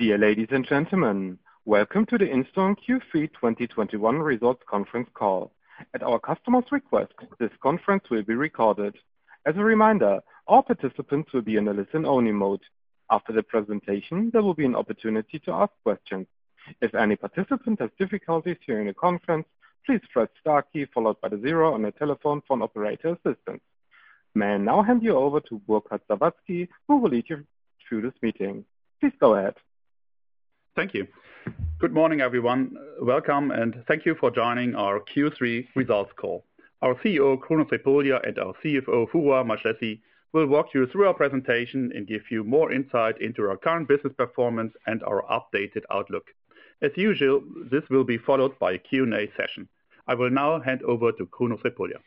Dear ladies and gentlemen. Welcome to the Instone Q3 2021 Results Conference Call. At our customer's request, this conference will be recorded. As a reminder, all participants will be in a listen-only mode. After the presentation, there will be an opportunity to ask questions. If any participant has difficulties hearing the conference, please press star key followed by the zero on your telephone for operator assistance. May I now hand you over to Burkhard Sawatzki, who will lead you through this meeting. Please go ahead. Thank you. Good morning, everyone. Welcome, and thank you for joining our Q3 Results call. Our CEO, Kruno Crepulja, and our CFO, Foruhar Madjlessi, will walk you through our presentation and give you more insight into our current business performance and our updated outlook. As usual, this will be followed by a Q&A session. I will now hand over to Kruno Crepulja.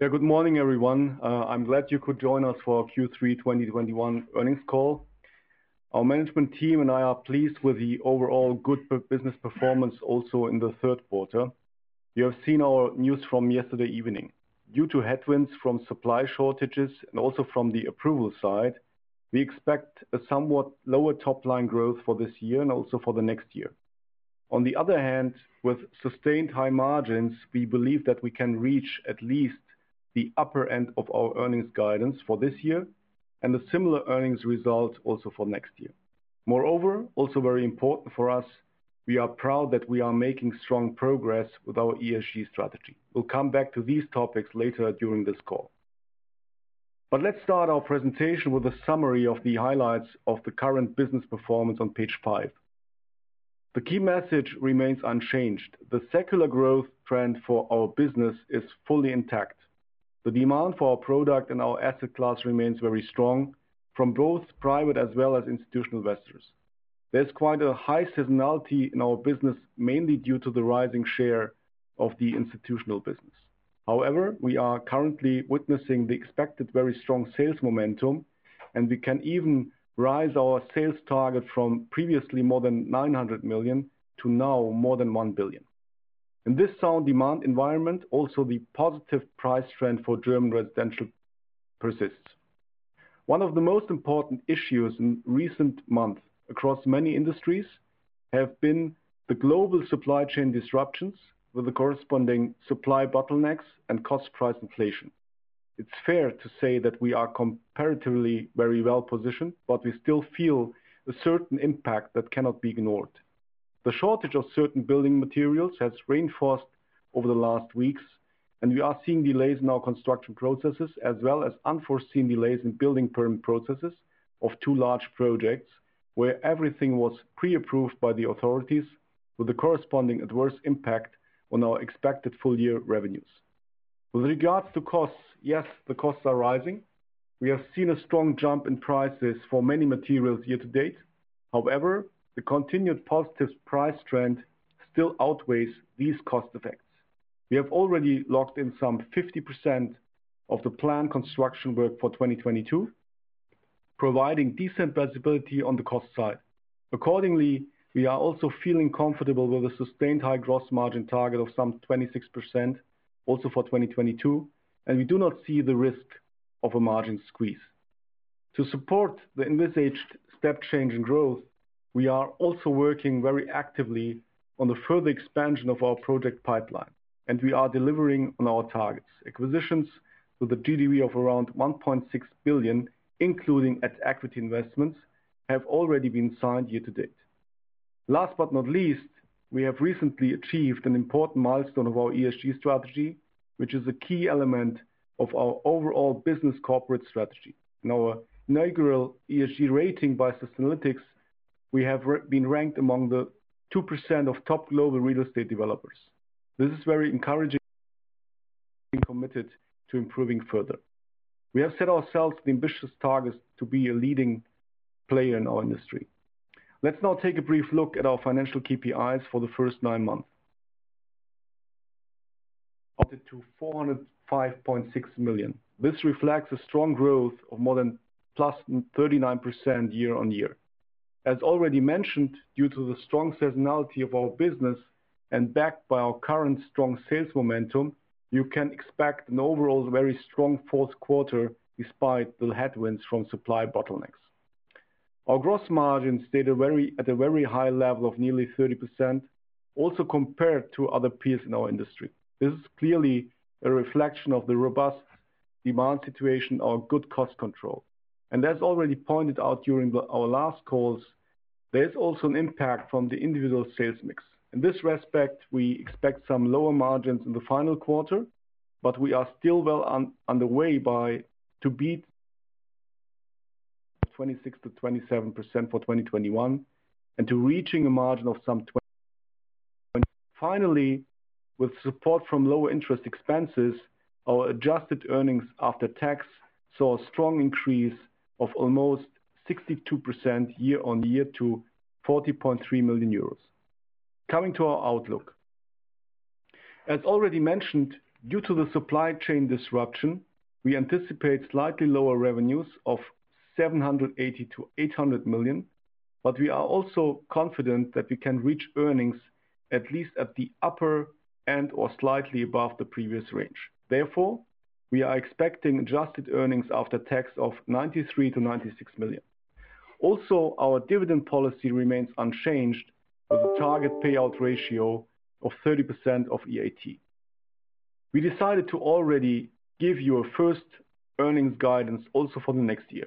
Yeah, good morning, everyone. I'm glad you could join us for our Q3 2021 Earnings Call. Our management team and I are pleased with the overall good business performance also in the Q3. You have seen our news from yesterday evening. Due to headwinds from supply shortages and also from the approval side, we expect a somewhat lower top-line growth for this year and also for the next year. On the other hand, with sustained high margins, we believe that we can reach at least the upper end of our earnings guidance for this year, and a similar earnings result also for next year. Moreover, also very important for us, we are proud that we are making strong progress with our ESG strategy. We'll come back to these topics later during this call. Let's start our presentation with a summary of the highlights of the current business performance on page 5. The key message remains unchanged. The secular growth trend for our business is fully intact. The demand for our product and our asset class remains very strong from both private as well as institutional investors. There's quite a high seasonality in our business, mainly due to the rising share of the institutional business. However, we are currently witnessing the expected very strong sales momentum, and we can even raise our sales target from previously more than 900 million to now more than 1 billion. In this sound demand environment, also the positive price trend for German residential persists. One of the most important issues in recent months across many industries have been the global supply chain disruptions with the corresponding supply bottlenecks and cost price inflation. It's fair to say that we are comparatively very well-positioned, but we still feel a certain impact that cannot be ignored. The shortage of certain building materials has reinforced over the last weeks, and we are seeing delays in our construction processes, as well as unforeseen delays in building permit processes of two large projects where everything was pre-approved by the authorities with the corresponding adverse impact on our expected full year revenues. With regards to costs, yes, the costs are rising. We have seen a strong jump in prices for many materials year to date. However, the continued positive price trend still outweighs these cost effects. We have already locked in some 50% of the planned construction work for 2022, providing decent visibility on the cost side. Accordingly, we are also feeling comfortable with a sustained high gross margin target of some 26% also for 2022, and we do not see the risk of a margin squeeze. To support the envisaged step change in growth, we are also working very actively on the further expansion of our project pipeline, and we are delivering on our targets. Acquisitions with a GDV of around 1.6 billion, including at-equity investments, have already been signed year to date. Last but not least, we have recently achieved an important milestone of our ESG strategy, which is a key element of our overall business corporate strategy. In our inaugural ESG rating by Sustainalytics, we have been ranked among the 2% of top global real estate developers. This is very encouraging. We are committed to improving further. We have set ourselves the ambitious targets to be a leading player in our industry. Let's now take a brief look at our financial KPIs for the first nine months. Up to 405.6 million. This reflects a strong growth of more than +39% year-on-year. As already mentioned, due to the strong seasonality of our business and backed by our current strong sales momentum, you can expect an overall very strong Q4 despite the headwinds from supply bottlenecks. Our gross margin stayed at a very high level of nearly 30%, also compared to other peers in our industry. This is clearly a reflection of the robust demand situation or good cost control. As already pointed out during our last calls, there's also an impact from the individual sales mix. In this respect, we expect some lower margins in the final quarter, but we are still well on the way to beat 26%-27% for 2021. Finally, with support from lower interest expenses, our adjusted earnings after tax saw a strong increase of almost 62% year-on-year to 40.3 million euros. Coming to our outlook. As already mentioned, due to the supply chain disruption, we anticipate slightly lower revenues of 780 million-800 million, but we are also confident that we can reach earnings at least at the upper end or slightly above the previous range. Therefore, we are expecting adjusted earnings after tax of 93 million-96 million. Also, our dividend policy remains unchanged with a target payout ratio of 30% of EAT. We decided to already give you a first earnings guidance also for the next year.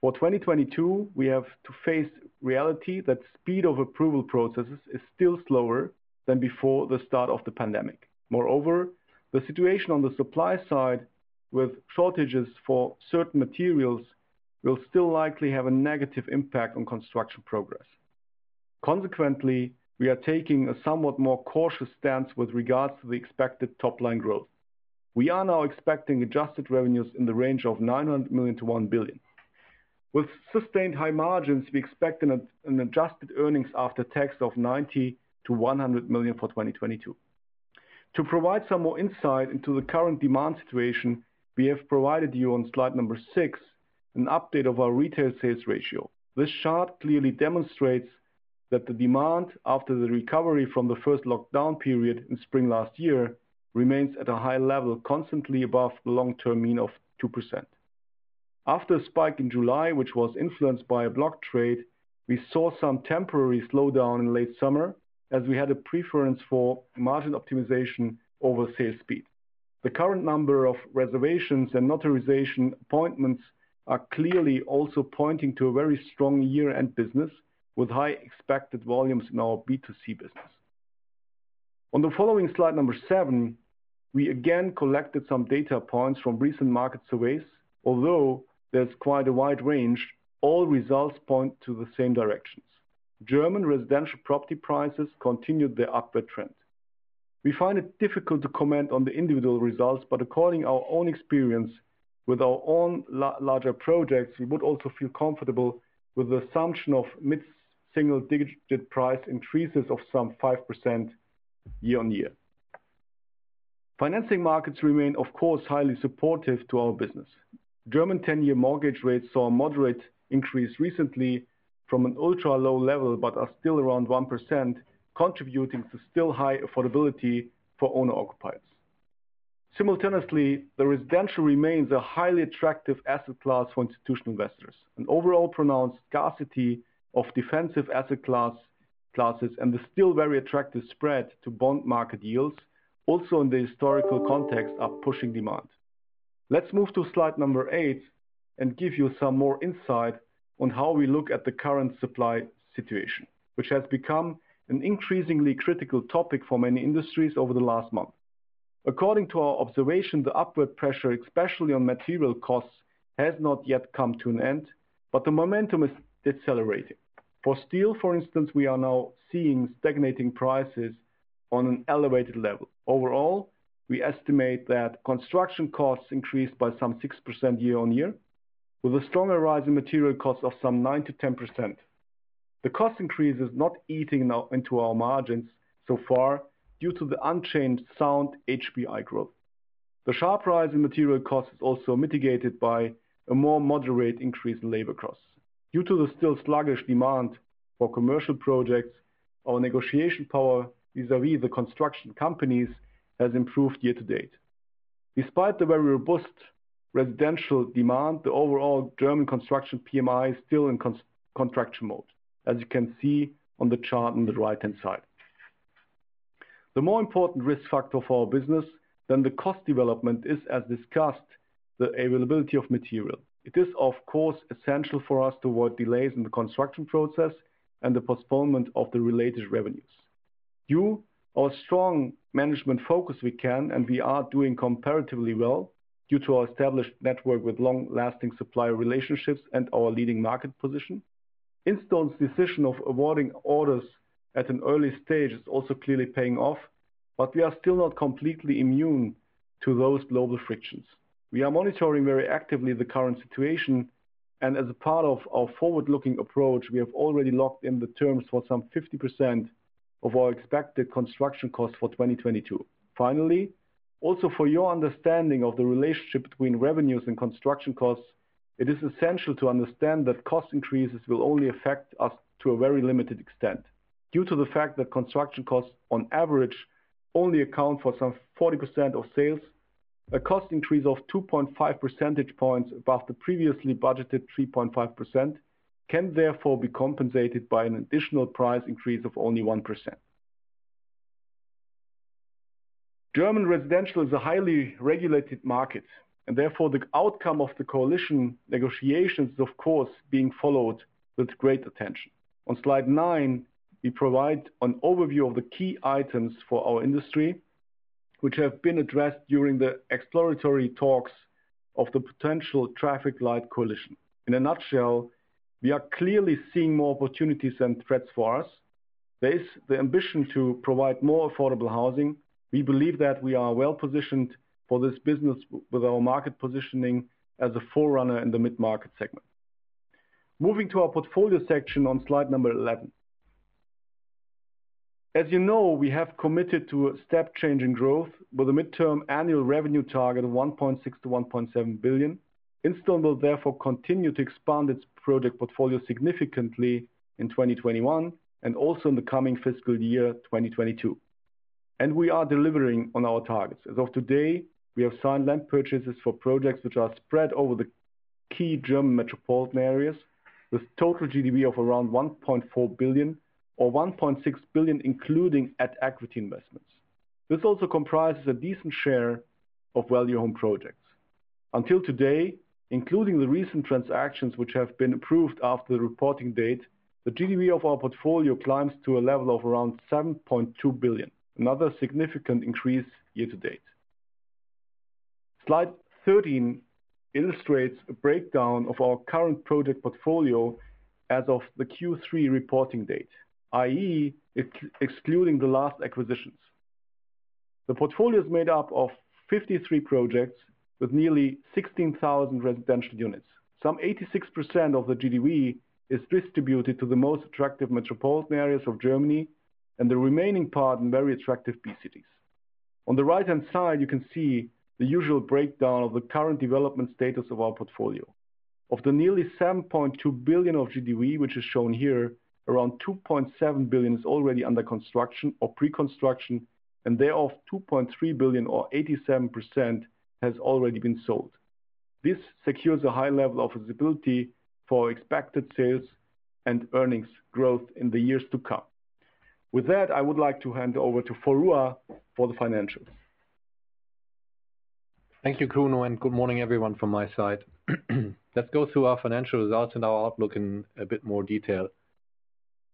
For 2022, we have to face reality that speed of approval processes is still slower than before the start of the pandemic. Moreover, the situation on the supply side with shortages for certain materials will still likely have a negative impact on construction progress. Consequently, we are taking a somewhat more cautious stance with regards to the expected top-line growth. We are now expecting adjusted revenues in the range of 900 million-1 billion. With sustained high margins, we expect an adjusted earnings after tax of 90-100 million for 2022. To provide some more insight into the current demand situation, we have provided you on slide number six an update of our retail sales ratio. This chart clearly demonstrates that the demand after the recovery from the first lockdown period in spring last year remains at a high level, constantly above the long-term mean of 2%. After a spike in July, which was influenced by a block trade, we saw some temporary slowdown in late summer as we had a preference for margin optimization over sales speed. The current number of reservations and notarization appointments are clearly also pointing to a very strong year-end business with high expected volumes in our B2C business. On the following slide number 7, we again collected some data points from recent market surveys. Although there's quite a wide range, all results point to the same directions. German residential property prices continued their upward trend. We find it difficult to comment on the individual results, but according to our own experience with our own larger projects, we would also feel comfortable with the assumption of mid-single-digit price increases of some 5% year-on-year. Financing markets remain, of course, highly supportive to our business. German ten-year mortgage rates saw a moderate increase recently from an ultra-low level, but are still around 1%, contributing to still high affordability for owner-occupiers. Simultaneously, the residential remains a highly attractive asset class for institutional investors. An overall pronounced scarcity of defensive asset classes and the still very attractive spread to bond market yields also in the historical context are pushing demand. Let's move to slide number eight and give you some more insight on how we look at the current supply situation, which has become an increasingly critical topic for many industries over the last month. According to our observation, the upward pressure, especially on material costs, has not yet come to an end, but the momentum is decelerating. For steel, for instance, we are now seeing stagnating prices on an elevated level. Overall, we estimate that construction costs increased by some 6% year-on-year with a stronger rise in material costs of some 9%-10%. The cost increase is not eating now into our margins so far due to the unchanged sound HPI growth. The sharp rise in material costs is also mitigated by a more moderate increase in labor costs. Due to the still sluggish demand for commercial projects, our negotiation power vis-à-vis the construction companies has improved year to date. Despite the very robust residential demand, the overall German construction PMI is still in contraction mode, as you can see on the chart on the right-hand side. The more important risk factor for our business than the cost development is, as discussed, the availability of material. It is, of course, essential for us to avoid delays in the construction process and the postponement of the related revenues. Due to our strong management focus, we can and we are doing comparatively well due to our established network with long-lasting supplier relationships and our leading market position. Instone's decision of awarding orders at an early stage is also clearly paying off, but we are still not completely immune to those global frictions. We are monitoring very actively the current situation, and as a part of our forward-looking approach, we have already locked in the terms for some 50% of our expected construction costs for 2022. Finally, also for your understanding of the relationship between revenues and construction costs, it is essential to understand that cost increases will only affect us to a very limited extent. Due to the fact that construction costs on average only account for some 40% of sales, a cost increase of 2.5 percentage points above the previously budgeted 3.5% can therefore be compensated by an additional price increase of only 1%. German residential is a highly regulated market and therefore the outcome of the coalition negotiations is of course being followed with great attention. On slide nine, we provide an overview of the key items for our industry, which have been addressed during the exploratory talks of the potential traffic light coalition. In a nutshell, we are clearly seeing more opportunities than threats for us. There is the ambition to provide more affordable housing. We believe that we are well positioned for this business with our market positioning as a forerunner in the mid-market segment. Moving to our portfolio section on slide 11. As you know, we have committed to a step change in growth with a midterm annual revenue target of 1.6 billion-1.7 billion. Instone will therefore continue to expand its project portfolio significantly in 2021 and also in the coming fiscal year 2022. We are delivering on our targets. As of today, we have signed land purchases for projects which are spread over the key German metropolitan areas, with total GDV of around 1.4 billion or 1.6 billion, including at-equity investments. This also comprises a decent share of value-home projects. Until today, including the recent transactions which have been approved after the reporting date, the GDV of our portfolio climbs to a level of around 7.2 billion, another significant increase year-to-date. Slide 13 illustrates a breakdown of our current project portfolio as of the Q3 reporting date, i.e., excluding the last acquisitions. The portfolio is made up of 53 projects with nearly 16,000 residential units. 86% of the GDV is distributed to the most attractive metropolitan areas of Germany and the remaining part in very attractive B cities. On the right-hand side, you can see the usual breakdown of the current development status of our portfolio. Of the nearly 7.2 billion of GDV, which is shown here, around 2.7 billion is already under construction or pre-construction, and thereof, 2.3 billion or 87% has already been sold. This secures a high level of visibility for expected sales and earnings growth in the years to come. With that, I would like to hand over to Foruhar Madjlessi for the financials. Thank you, Kruno, and good morning everyone from my side. Let's go through our financial results and our outlook in a bit more detail.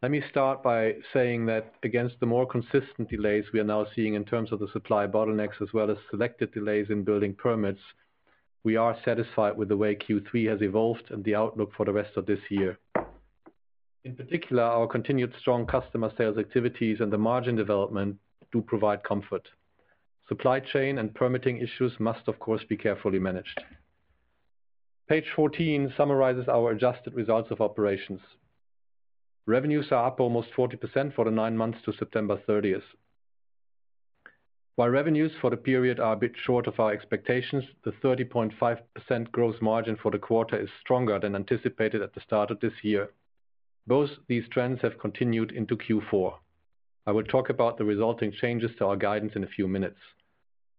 Let me start by saying that against the more consistent delays we are now seeing in terms of the supply bottlenecks as well as selected delays in building permits, we are satisfied with the way Q3 has evolved and the outlook for the rest of this year. In particular, our continued strong customer sales activities and the margin development do provide comfort. Supply chain and permitting issues must, of course, be carefully managed. Page 14 summarizes our adjusted results of operations. Revenues are up almost 40% for the nine months to September 30. While revenues for the period are a bit short of our expectations, the 30.5% growth margin for the quarter is stronger than anticipated at the start of this year. Both these trends have continued into Q4. I will talk about the resulting changes to our guidance in a few minutes.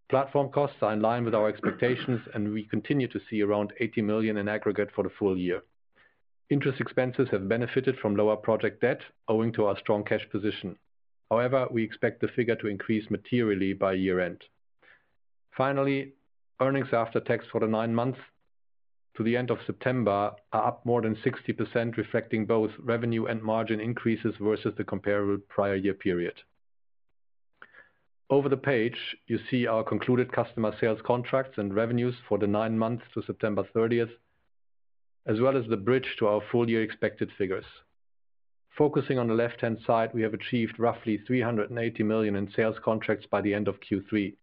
Platform costs are in line with our expectations, and we continue to see around 80 million in aggregate for the full year. Interest expenses have benefited from lower project debt owing to our strong cash position. However, we expect the figure to increase materially by year-end. Finally, earnings after tax for the nine months to the end of September are up more than 60%, reflecting both revenue and margin increases versus the comparable prior year period. Over the page, you see our concluded customer sales contracts and revenues for the nine months to September 30, as well as the bridge to our full year expected figures. Focusing on the left-hand side, we have achieved roughly 380 million in sales contracts by the end of Q3.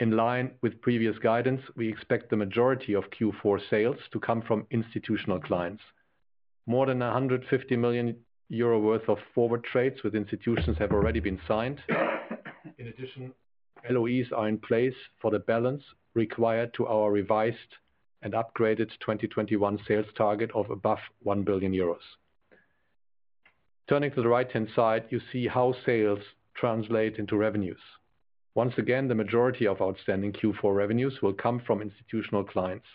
In line with previous guidance, we expect the majority of Q4 sales to come from institutional clients. More than 150 million euro worth of forward trades with institutions have already been signed. In addition, LOIs are in place for the balance required to our revised and upgraded 2021 sales target of above 1 billion euros. Turning to the right-hand side, you see how sales translate into revenues. Once again, the majority of outstanding Q4 revenues will come from institutional clients.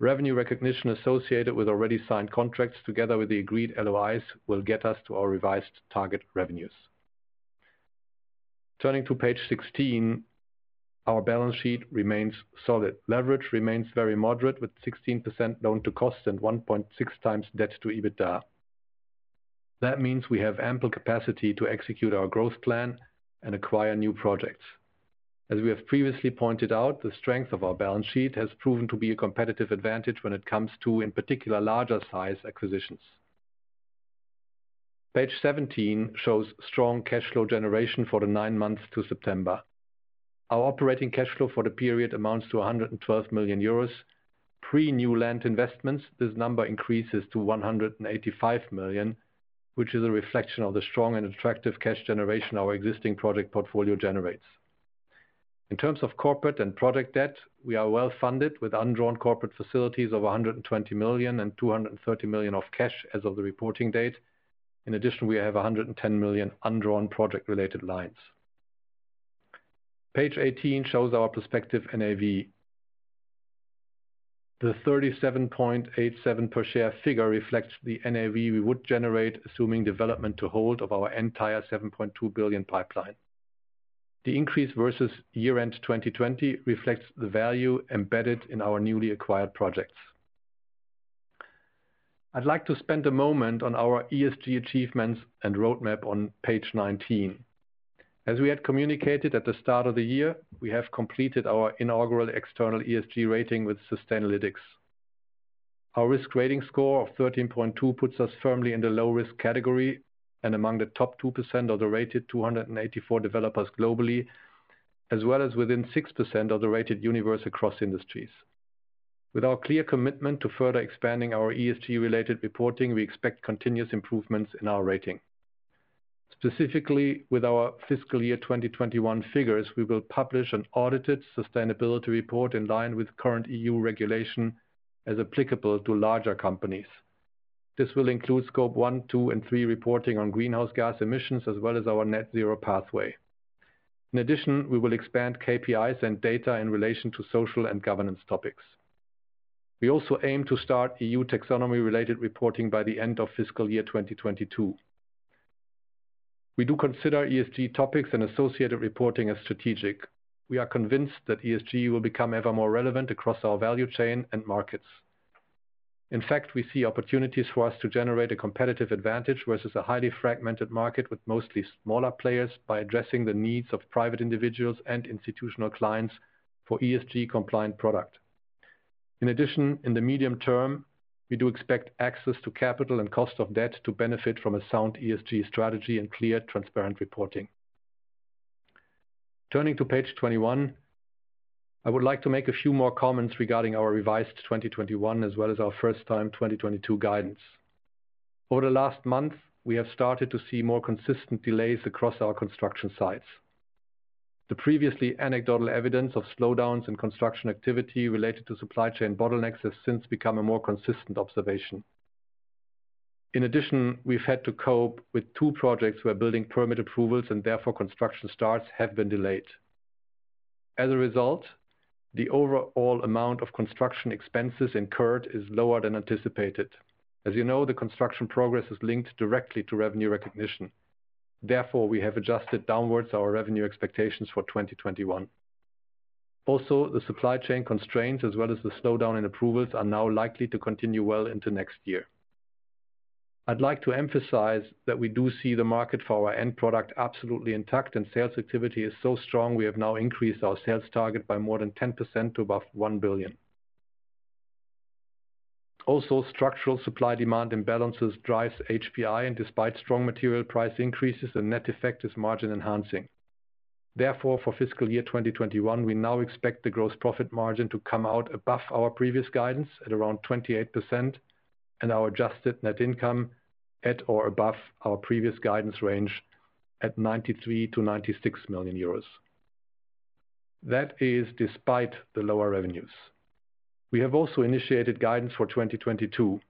Revenue recognition associated with already signed contracts together with the agreed LOIs will get us to our revised target revenues. Turning to page 16, our balance sheet remains solid. Leverage remains very moderate, with 16% loan-to-cost and 1.6x debt-to-EBITDA. That means we have ample capacity to execute our growth plan and acquire new projects. As we have previously pointed out, the strength of our balance sheet has proven to be a competitive advantage when it comes to, in particular, larger size acquisitions. Page 17 shows strong cash flow generation for the nine months to September. Our operating cash flow for the period amounts to 112 million euros. Pre-new land investments, this number increases to 185 million, which is a reflection of the strong and attractive cash generation our existing project portfolio generates. In terms of corporate and project debt, we are well funded with undrawn corporate facilities of 120 million and 230 million of cash as of the reporting date. In addition, we have 110 million undrawn project-related lines. Page 18 shows our prospective NAV. The 37.87 per share figure reflects the NAV we would generate, assuming development to hold of our entire 7.2 billion pipeline. The increase versus year-end 2020 reflects the value embedded in our newly acquired projects. I'd like to spend a moment on our ESG achievements and roadmap on page 19. As we had communicated at the start of the year, we have completed our inaugural external ESG rating with Sustainalytics. Our risk rating score of 13.2 puts us firmly in the low-risk category and among the top 2% of the rated 284 developers globally, as well as within 6% of the rated universe across industries. With our clear commitment to further expanding our ESG-related reporting, we expect continuous improvements in our rating. Specifically, with our fiscal year 2021 figures, we will publish an audited sustainability report in line with current EU regulation as applicable to larger companies. This will include Scope one, two, and three reporting on greenhouse gas emissions as well as our net zero pathway. In addition, we will expand KPIs and data in relation to social and governance topics. We also aim to start EU Taxonomy-related reporting by the end of fiscal year 2022. We do consider ESG topics and associated reporting as strategic. We are convinced that ESG will become ever more relevant across our value chain and markets. In fact, we see opportunities for us to generate a competitive advantage versus a highly fragmented market with mostly smaller players by addressing the needs of private individuals and institutional clients for ESG compliant product. In addition, in the medium term, we do expect access to capital and cost of debt to benefit from a sound ESG strategy and clear, transparent reporting. Turning to page 21, I would like to make a few more comments regarding our revised 2021 as well as our first time 2022 guidance. Over the last month, we have started to see more consistent delays across our construction sites. The previously anecdotal evidence of slowdowns in construction activity related to supply chain bottlenecks has since become a more consistent observation. In addition, we've had to cope with two projects where building permit approvals and therefore construction starts have been delayed. As a result, the overall amount of construction expenses incurred is lower than anticipated. As you know, the construction progress is linked directly to revenue recognition. Therefore, we have adjusted downwards our revenue expectations for 2021. The supply chain constraints as well as the slowdown in approvals are now likely to continue well into next year. I'd like to emphasize that we do see the market for our end product absolutely intact, and sales activity is so strong we have now increased our sales target by more than 10% to above €1 billion. Structural supply demand imbalances drives HPI, and despite strong material price increases, the net effect is margin enhancing. Therefore, for fiscal year 2021, we now expect the gross profit margin to come out above our previous guidance at around 28% and our adjusted net income at or above our previous guidance range at €93 million-€96 million. That is despite the lower revenues. We have also initiated guidance for 2022.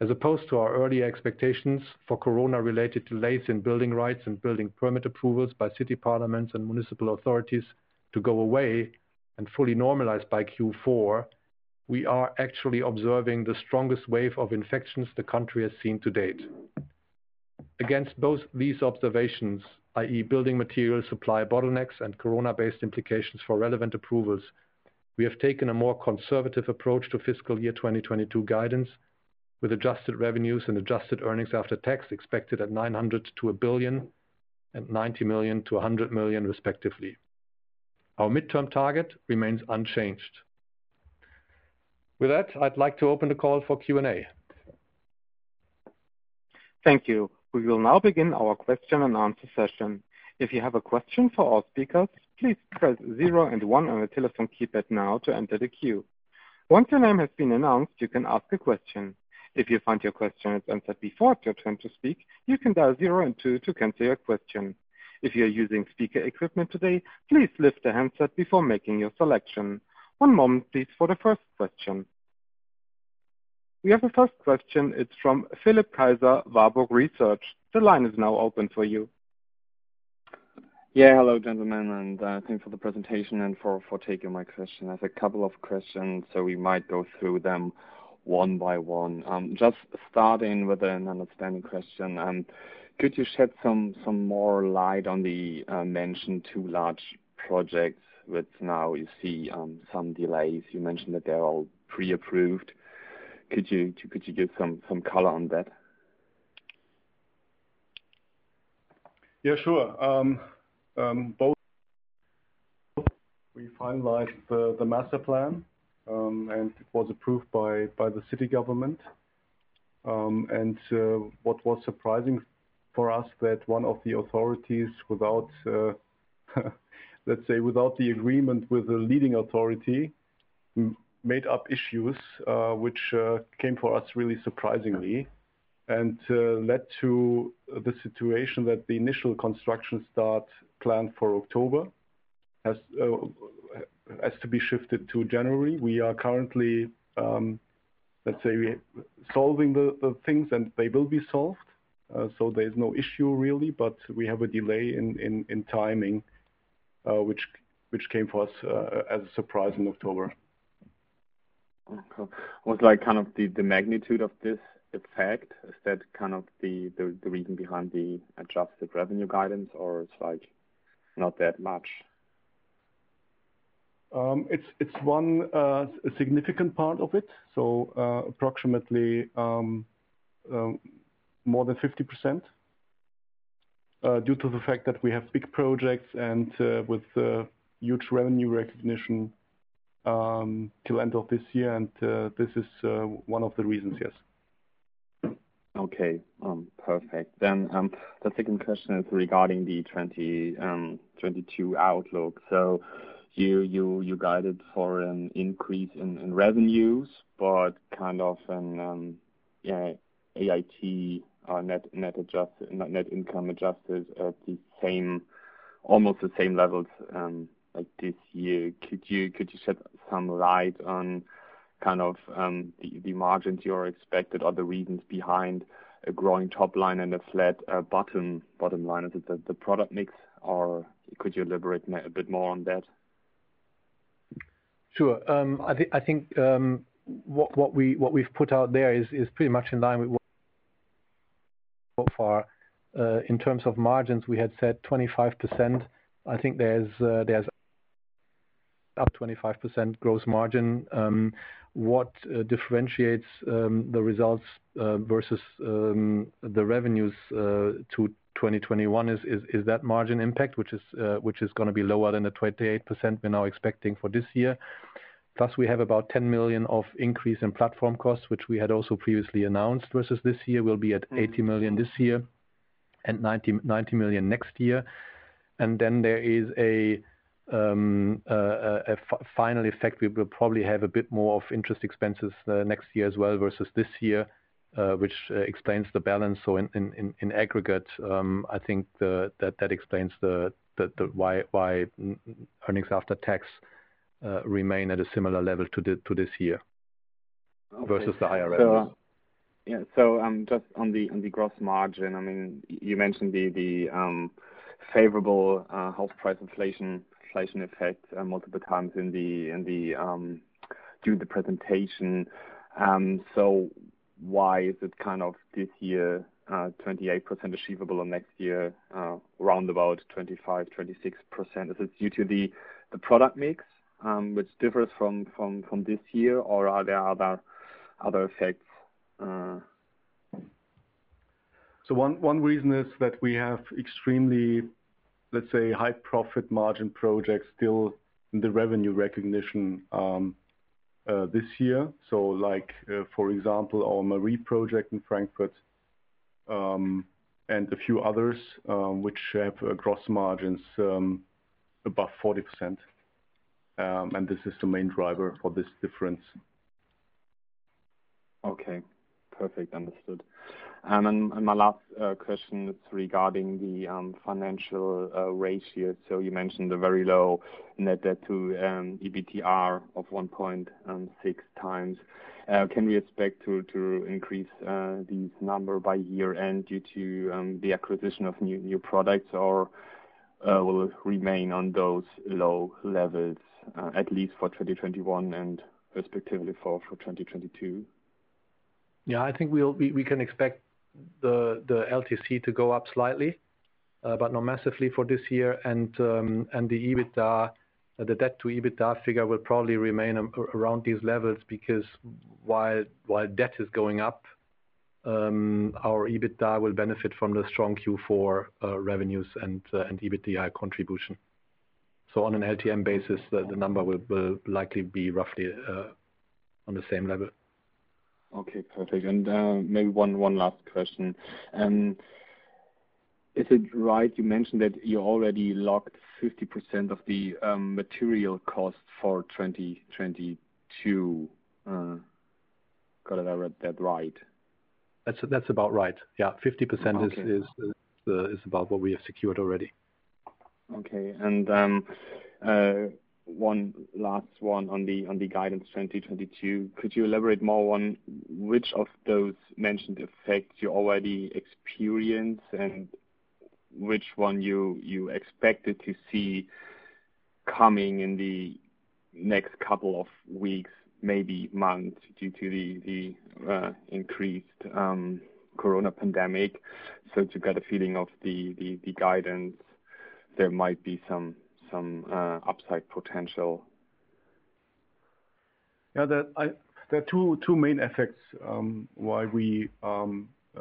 As opposed to our earlier expectations for corona related delays in building rights and building permit approvals by city parliaments and municipal authorities to go away and fully normalized by Q4, we are actually observing the strongest wave of infections the country has seen to date. Against both these observations, i.e., building material supply bottlenecks and corona-based implications for relevant approvals, we have taken a more conservative approach to fiscal year 2022 guidance with adjusted revenues and adjusted earnings after tax expected at 900 million-1 billion and 90 million-100 million, respectively. Our midterm target remains unchanged. With that, I'd like to open the call for Q&A. Thank you. We will now begin our question and answer session. If you have a question for our speakers, please press zero and one on your telephone keypad now to enter the queue. Once your name has been announced, you can ask a question. If you find your question has answered before it's your turn to speak, you can dial zero and two to cancel your question. If you are using speaker equipment today, please lift the handset before making your selection. One moment, please, for the first question. We have the first question, it's from Philipp Kaiser, Warburg Research. The line is now open for you. Yeah, hello, gentlemen, and thanks for the presentation and for taking my question. I have a couple of questions, so we might go through them one by one. Just starting with an understanding question, could you shed some more light on the mentioned two large projects which now you see some delays? You mentioned that they're all pre-approved. Could you give some color on that? Yeah, sure. Both we finalized the master plan, and it was approved by the city government. What was surprising for us that one of the authorities without, let's say, without the agreement with the leading authority, made up issues, which came for us really surprisingly. Led to the situation that the initial construction start planned for October has to be shifted to January. We are currently, let's say solving the things, and they will be solved. There is no issue really, but we have a delay in timing, which came for us as a surprise in October. Okay. What's like kind of the magnitude of this effect, is that kind of the reason behind the adjusted revenue guidance, or it's like not that much? It's one significant part of it. Approximately more than 50% due to the fact that we have big projects and with huge revenue recognition till end of this year. This is one of the reasons, yes. Okay. Perfect. The second question is regarding the 2022 outlook. You guided for an increase in revenues, but kind of, you know, EAT or net income adjusted at almost the same levels like this year. Could you shed some light on kind of the margins you are expected are the reasons behind a growing top line and a flat bottom line. Is it the product mix, or could you elaborate a bit more on that? Sure. I think what we've put out there is pretty much in line with what so far. In terms of margins, we had said 25%. I think there's up 25% gross margin. What differentiates the results versus the revenues to 2021 is that margin impact, which is gonna be lower than the 28% we're now expecting for this year. Plus, we have about 10 million of increase in platform costs, which we had also previously announced, versus this year we'll be at 80 million this year and 90 million next year. Then there is a final effect. We will probably have a bit more of interest expenses next year as well versus this year, which explains the balance. In aggregate, I think that explains the why earnings after tax remain at a similar level to this year versus the higher end. Just on the gross margin, I mean, you mentioned the favorable house price inflation effect multiple times through the presentation. Why is it kind of this year 28% achievable and next year around about 25%-26%? Is it due to the product mix which differs from this year? Or are there other effects? One reason is that we have extremely, let's say, high profit margin projects still in the revenue recognition this year. Like, for example, our Marie project in Frankfurt and a few others which have gross margins above 40%. This is the main driver for this difference. Okay. Perfect. Understood. My last question is regarding the financial ratio. You mentioned the very low net debt to EBITDA of 1.6x. Can we expect to increase these number by year-end due to the acquisition of new products? Or will it remain on those low levels at least for 2021 and respectively for 2022? Yeah, I think we can expect the LTC to go up slightly, but not massively for this year. The EBITDA, the debt to EBITDA figure will probably remain around these levels because while debt is going up, our EBITDA will benefit from the strong Q4 revenues and EBITDA contribution. On an LTM basis, the number will likely be roughly on the same level. Okay, perfect. Maybe one last question. Is it right you mentioned that you already locked 50% of the material cost for 2022? Got that right? That's about right. Yeah. 50% is about what we have secured already. Okay. One last one on the guidance 2022. Could you elaborate more on which of those mentioned effects you already experience and which one you expected to see coming in the next couple of weeks, maybe months, due to the increased corona pandemic? To get a feeling of the guidance, there might be some upside potential. Yeah, there are two main effects why we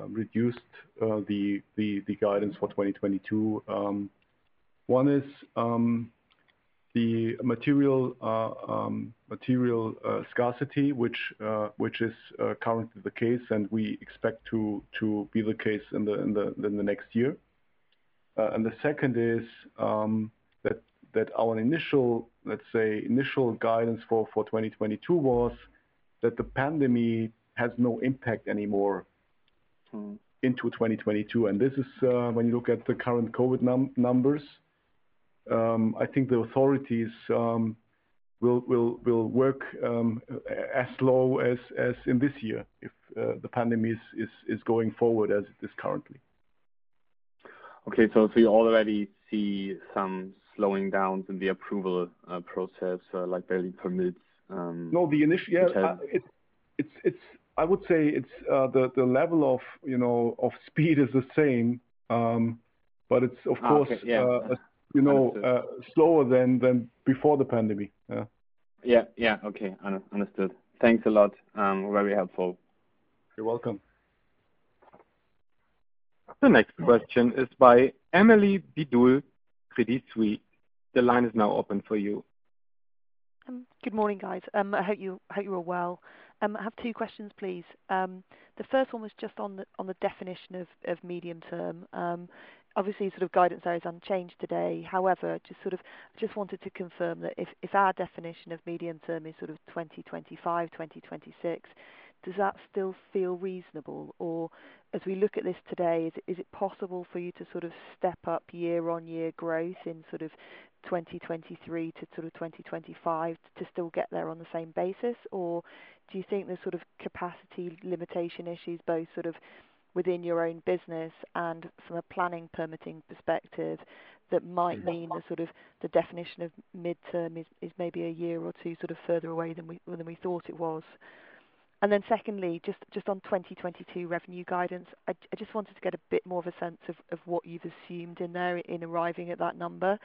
reduced the guidance for 2022. One is the material scarcity, which is currently the case and we expect to be the case in the next year. The second is that our initial guidance for 2022 was that the pandemic has no impact anymore into 2022. This is when you look at the current COVID numbers, I think the authorities will work as slow as in this year if the pandemic is going forward as it is currently. Okay. You already see some slowing down in the approval process, like building permits. No. Yeah, it's the level of, you know, speed is the same, but it's of course. Okay. Yeah. You know, slower than before the pandemic. Yeah. Yeah. Okay. Understood. Thanks a lot. Very helpful. You're welcome. The next question is by Emily Biddulph, Crédit Suisse. The line is now open for you. Good morning, guys. I hope you're all well. I have two questions, please. The first one was just on the definition of medium term. Obviously, sort of guidance there is unchanged today. However, just wanted to confirm that if our definition of medium term is sort of 2025, 2026, does that still feel reasonable? Or as we look at this today, is it possible for you to sort of step up year-on-year growth in sort of 2023 to sort of 2025 to still get there on the same basis? Do you think the sort of capacity limitation issues, both sort of within your own business and from a planning permitting perspective that might mean the sort of the definition of midterm is maybe a year or two, sort of further away than we thought it was? Then secondly, just on 2022 revenue guidance. I just wanted to get a bit more of a sense of what you've assumed in there in arriving at that number.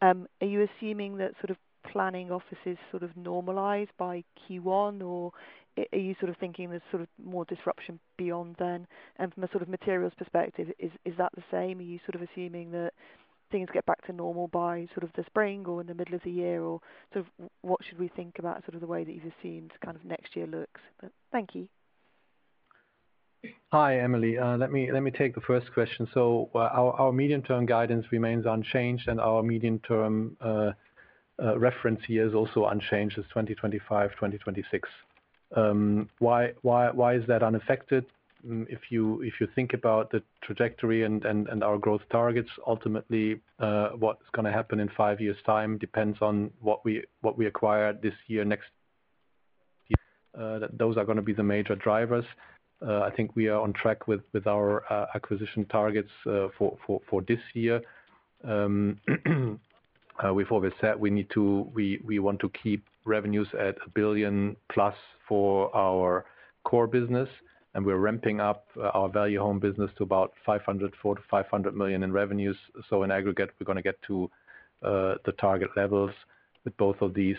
Are you assuming that sort of planning offices sort of normalize by Q1, or are you sort of thinking there's sort of more disruption beyond then? From a sort of materials perspective, is that the same? Are you sort of assuming that things get back to normal by sort of the spring or in the middle of the year? Sort of what should we think about sort of the way that you've assumed kind of next year looks? Thank you. Hi, Emily. Let me take the first question. Our medium-term guidance remains unchanged, and our medium-term reference year is also unchanged as 2025, 2026. Why is that unaffected? If you think about the trajectory and our growth targets, ultimately, what's gonna happen in five years' time depends on what we acquire this year, next year. Those are gonna be the major drivers. I think we are on track with our acquisition targets for this year. We've always said we want to keep revenues at 1 billion+ for our core business, and we're ramping up our value-home business to about 400 million-500 million in revenues. In aggregate, we're gonna get to the target levels with both of these.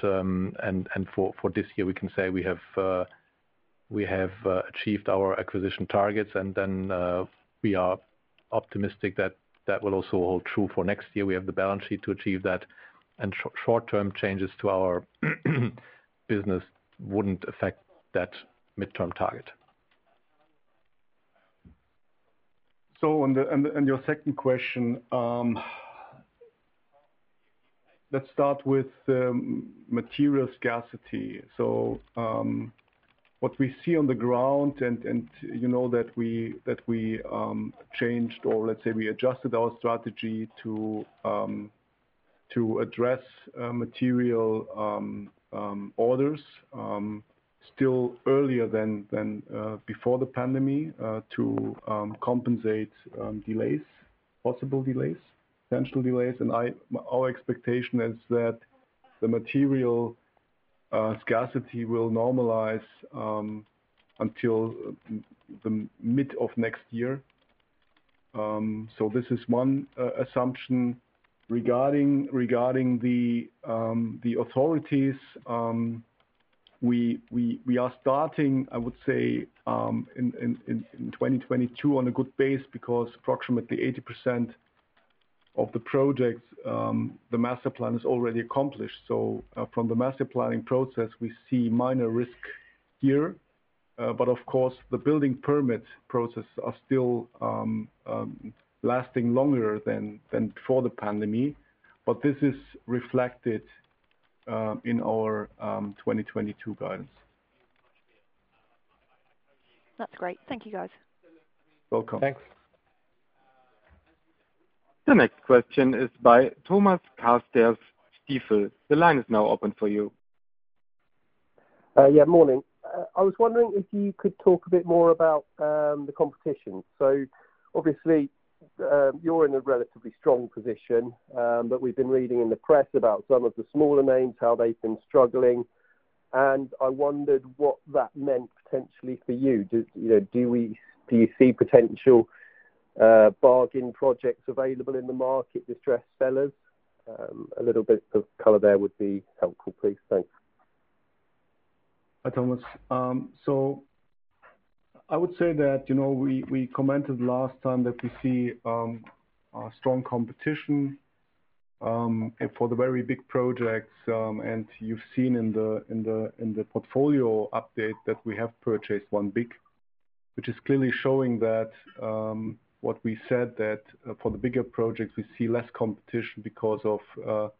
For this year, we can say we have achieved our acquisition targets. We are optimistic that that will also hold true for next year. We have the balance sheet to achieve that. Short-term changes to our business wouldn't affect that midterm target. Your second question, let's start with material scarcity. What we see on the ground and you know that we changed or let's say we adjusted our strategy to address material orders still earlier than before the pandemic to compensate potential delays. Our expectation is that the material scarcity will normalize until the mid of next year. This is one assumption. Regarding the authorities, we are starting, I would say, in 2022 on a good base because approximately 80% of the projects, the master plan is already accomplished. From the master planning process, we see minor risk here. Of course the building permit process are still lasting longer than before the pandemic. This is reflected in our 2022 guidance. That's great. Thank you, guys. Welcome. Thanks. The next question is by Thomas Mordelle, Stifel. The line is now open for you. Morning. I was wondering if you could talk a bit more about the competition. Obviously, you're in a relatively strong position, but we've been reading in the press about some of the smaller names, how they've been struggling, and I wondered what that meant potentially for you. Do you see potential bargain projects available in the market, distressed sellers? A little bit of color there would be helpful, please. Thanks. Hi, Thomas. I would say that we commented last time that we see strong competition for the very big projects. You've seen in the portfolio update that we have purchased one big, which is clearly showing that what we said that for the bigger projects we see less competition because of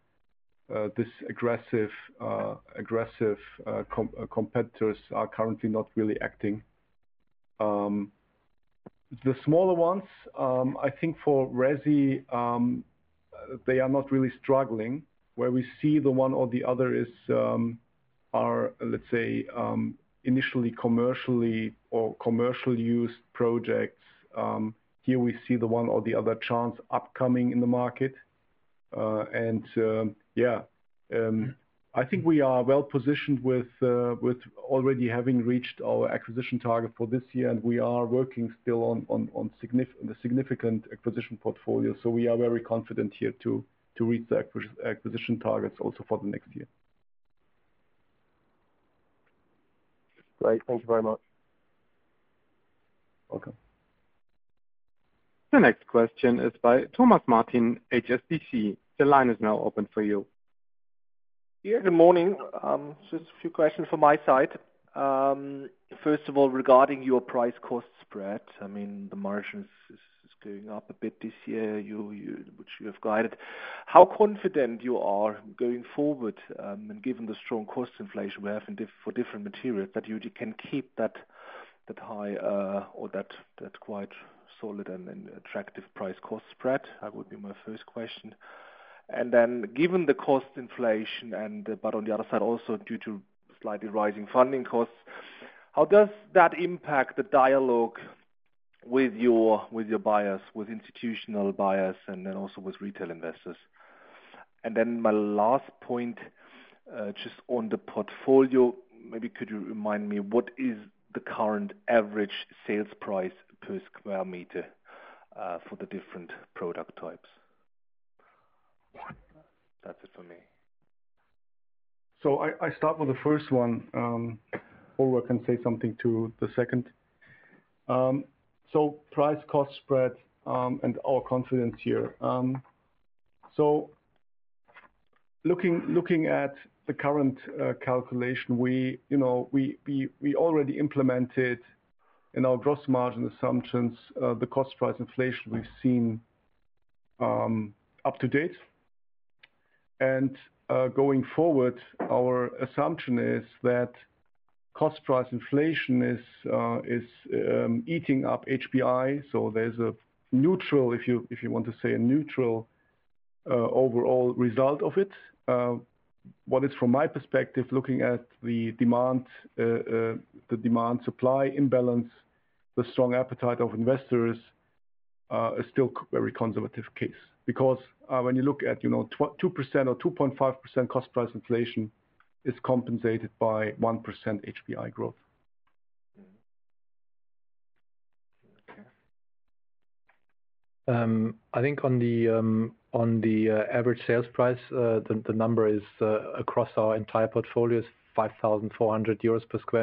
this aggressive competitors are currently not really acting. The smaller ones, I think for resi, they are not really struggling. Where we see the one or the other is, let's say, initially commercial use projects. Here we see the one or the other chance upcoming in the market. I think we are well positioned with already having reached our acquisition target for this year and we are working still on the significant acquisition portfolio. We are very confident here to reach the acquisition targets also for the next year. Great. Thank you very much. The next question is by Thomas Martin, HSBC. The line is now open for you. Yeah, good morning. Just a few questions from my side. First of all, regarding your price cost spread, I mean, the margins is going up a bit this year, which you have guided. How confident you are going forward, and given the strong cost inflation we have for different materials that you can keep that high, or that quite solid and attractive price cost spread? That would be my first question. Given the cost inflation but on the other side also due to slightly rising funding costs, how does that impact the dialogue with your buyers, with institutional buyers and then also with retail investors? My last point, just on the portfolio, maybe could you remind me what is the current average sales price per sq m for the different product types? That's it for me. I start with the first one, or we can say something to the second. Price cost spread and our confidence here. Looking at the current calculation, you know, we already implemented in our gross margin assumptions the cost price inflation we've seen up to date. Going forward, our assumption is that cost price inflation is eating up HPI. There's a neutral if you want to say a neutral overall result of it. What is from my perspective, looking at the demand, the demand supply imbalance, the strong appetite of investors, is still very conservative case. When you look at, you know, 2% or 2.5% cost price inflation is compensated by 1% HPI growth. Okay. I think on the average sales price, the number across our entire portfolio is 5,400 euros per sq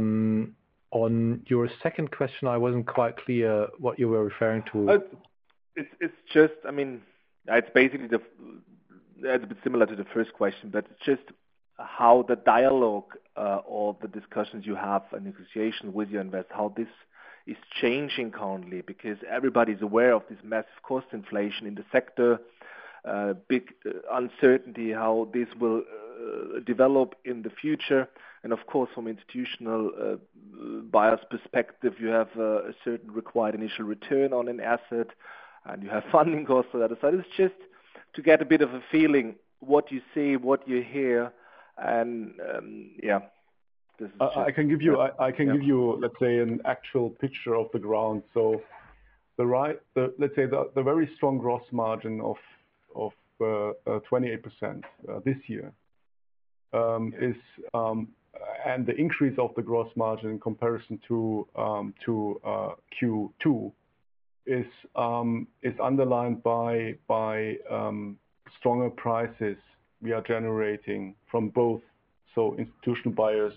m. On your second question, I wasn't quite clear what you were referring to. It's just, I mean, it's basically. It's a bit similar to the first question, but just how the dialogue or the discussions you have and negotiation with your investor, how this is changing currently. Because everybody's aware of this massive cost inflation in the sector, big uncertainty how this will develop in the future. Of course, from institutional buyers' perspective, you have a certain required initial return on an asset, and you have funding costs for that. It's just to get a bit of a feeling what you see, what you hear and, yeah. I can give you, let's say, an actual picture of the ground. The very strong gross margin of 28% this year is and the increase of the gross margin in comparison to Q2 is underlined by stronger prices we are generating from both institutional buyers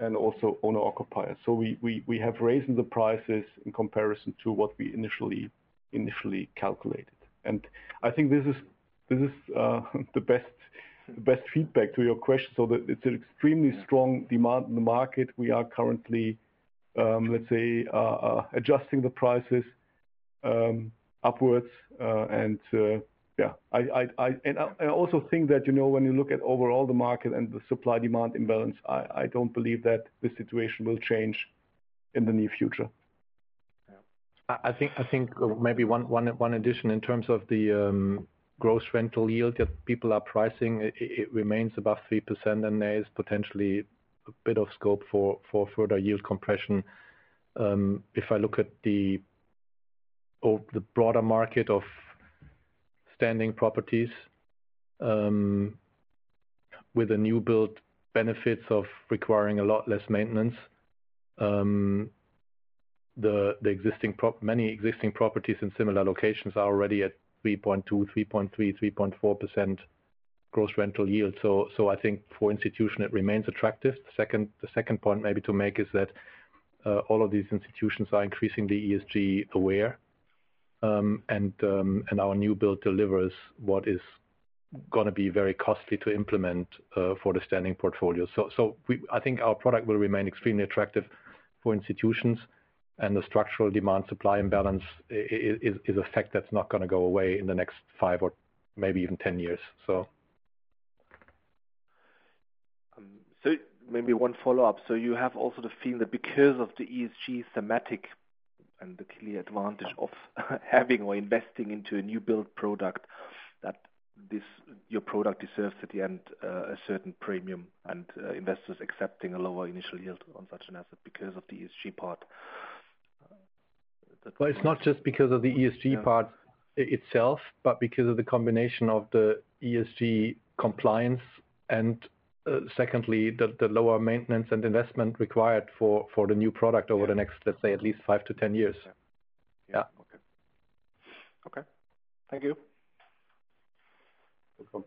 and also owner occupiers. We have raised the prices in comparison to what we initially calculated. I think this is the best feedback to your question. It's an extremely strong demand in the market. We are currently, let's say, adjusting the prices upwards. I also think that, you know, when you look at overall the market and the supply-demand imbalance, I don't believe that the situation will change in the near future. Yeah. I think maybe one addition in terms of the gross rental yield that people are pricing. It remains above 3%, and there is potentially a bit of scope for further yield compression. If I look at the broader market of standing properties with the new build benefits of requiring a lot less maintenance, many existing properties in similar locations are already at 3.2%, 3.3%, 3.4% gross rental yield. So I think for institutions it remains attractive. The second point maybe to make is that all of these institutions are increasingly ESG aware. Our new build delivers what is gonna be very costly to implement for the standing portfolio. I think our product will remain extremely attractive for institutions and the structural demand supply imbalance is a fact that's not gonna go away in the next five or maybe even ten years or so. Maybe one follow-up. You have also the feeling that because of the ESG theme and the clear advantage of having or investing into a new build product, that this, your product deserves in the end a certain premium and investors accepting a lower initial yield on such an asset because of the ESG part? Well, it's not just because of the ESG part itself, but because of the combination of the ESG compliance and, secondly, the lower maintenance and investment required for the new product over the next, let's say, at least five to ten years. Yeah. Okay. Yeah. Okay. Thank you. Welcome.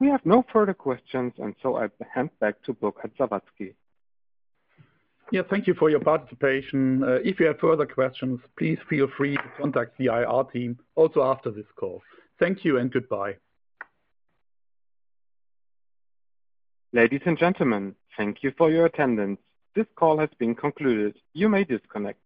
We have no further questions, and so I'd hand back to Burkhard Sawazki. Yeah, thank you for your participation. If you have further questions, please feel free to contact the IR team also after this call. Thank you and goodbye. Ladies and gentlemen, thank you for your attendance. This call has been concluded. You may disconnect.